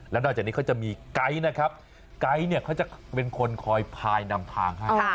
แล้วนอกจากนี้เขาจะมีไก๊นะครับไก๊เนี่ยเขาจะเป็นคนคอยพายนำทางให้